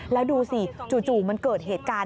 แล้วดูสิจู่มันเกิดเหตุการณ์